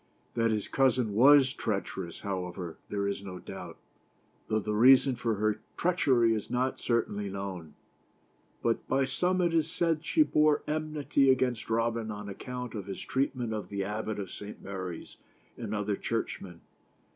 That his cousin was treacherous, however, there is no doubt, though the rea son for her treachery is not certainly known. By some it is said that she bore enmity against Robin on account of his treatment of the Abbot of St. Mary's and other church men.